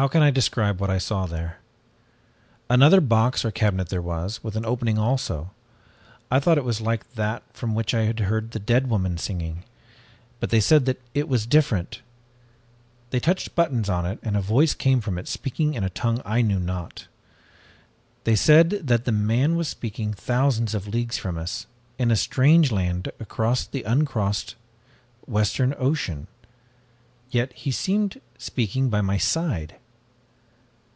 "How can I describe what I saw there? Another box or cabinet there was, with an opening also. I thought it was like that from which I had heard the dead woman singing, but they said it was different. They touched buttons on it and a voice came from it speaking in a tongue I knew not. They said that the man was speaking thousands of leagues from us, in a strange land across the uncrossed western ocean, yet he seemed speaking by my side!